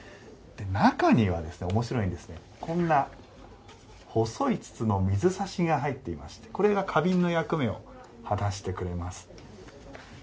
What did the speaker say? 中には、おもしろいんですがこんな細い筒の水差しが入っていましてこれが、花瓶の役目を果たしてくれます。